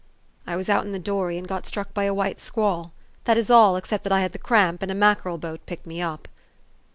" I was out in the dory, and got struck by a white squall. That is all, except that I had the cramp, and a mackerel boat picked me up."